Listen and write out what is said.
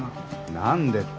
何でって。